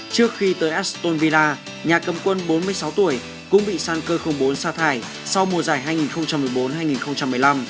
trước khi tới aston villa nhà cầm quân bốn mươi sáu tuổi cũng bị san cơ bốn xa thải sau mùa giải hai nghìn một mươi bốn hai nghìn một mươi năm